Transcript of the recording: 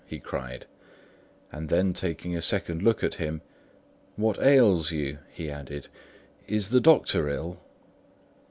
he cried; and then taking a second look at him, "What ails you?" he added; "is the doctor ill?"